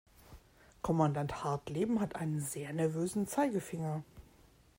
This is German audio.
Kommandant Hartleben hat einen sehr nervösen Zeigefinger.